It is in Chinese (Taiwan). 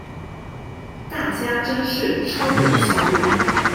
大家真是超有效率